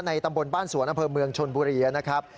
ตำบลบ้านสวนอำเภอเมืองชนบุรีนะครับ